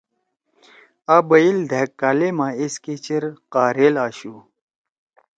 آ بئیل دھأک کالا ما ایسکے چیر قاریل آشُو